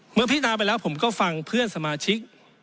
พินาไปแล้วผมก็ฟังเพื่อนสมาชิก